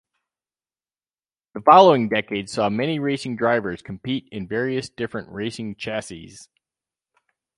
The following decades saw many racing drivers compete in various different racing chassis.